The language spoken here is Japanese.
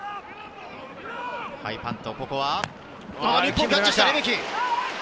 ハイパント、ここはレメキ！